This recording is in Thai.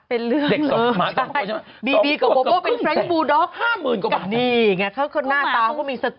เป็นเรื่องเหรอใช่บีบีกับโบโบเป็นแฟรนด์บูด็อกนี่ไงเขาก็หน้าตาเขาก็มีสกุล